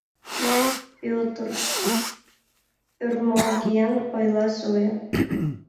— Пӧтыр! — ӧрмалген ойла Зоя.